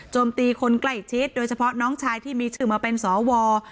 ตีคนใกล้ชิดโดยเฉพาะน้องชายที่มีชื่อมาเป็นสว